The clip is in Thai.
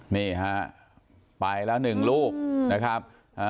นี้ฮะไปแล้ว๑ลูกนะครับ